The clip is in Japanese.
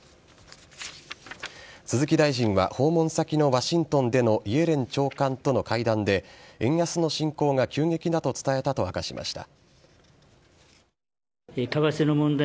鈴木大臣は訪問先のワシントンでのイエレン長官との会談で円安の進行が急激だと伝えたと明かしました。